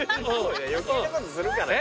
余計なことするからよ。